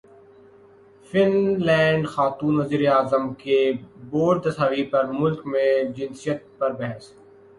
fun land خاتون وزیراعظم کی بولڈ تصاویر پر ملک میں جنسیت پر بحث